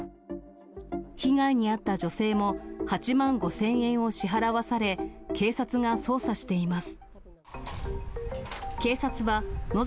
被害に遭った女性も８万５０００円を支払わされ、警察が捜査しています。